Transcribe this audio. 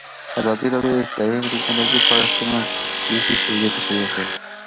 ازادي راډیو د اطلاعاتی تکنالوژي په اړه سیمه ییزې پروژې تشریح کړې.